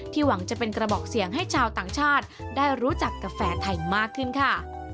หวังจะเป็นกระบอกเสียงให้ชาวต่างชาติได้รู้จักกาแฟไทยมากขึ้นค่ะ